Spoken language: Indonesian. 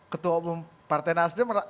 ketua umum partai nasdem